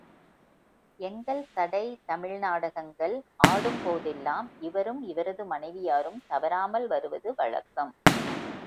எங்கள் சடை தமிழ் நாடகங்கள் ஆடும் போதெல்லாம், இவரும் இவரது மனைவியாரும் தவறாமல் வருவது வழக்கம்.